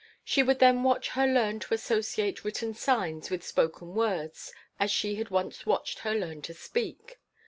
She would then watch her learn to associate written signs with spoken words as she had once watched her learn to speak.